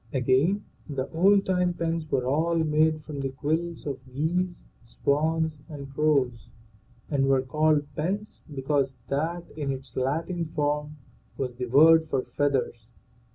Again: The old time pens were all made from the quills of geese, swans, and crows, and were called pens because that, in its Latin form, was the word for feathers.